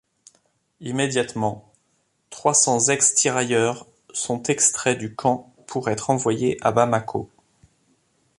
Immédiatement, trois cents ex-tirailleurs sont extraits du camp pour être envoyés à Bamako.